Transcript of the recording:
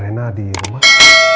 rena di rumah